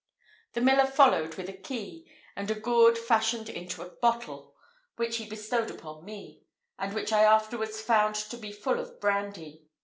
The miller followed with a key, and a gourd fashioned into a bottle, which he bestowed upon me, and which I afterwards found to be full of brandy.